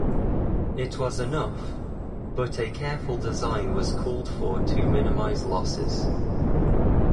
It was enough, but a careful design was called for to minimize losses.